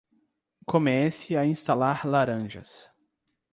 Comece a instalar laranjas